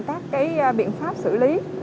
các biện pháp xử lý